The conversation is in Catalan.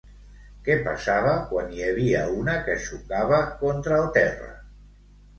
Què passava quan hi havia una que xocava contra el terra?